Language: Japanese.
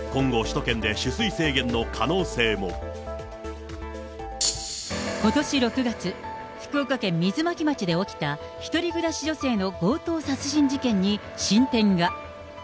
今後、ことし６月、福岡県水巻町で起きた、１人暮らし女性の強盗殺人事件に進展が。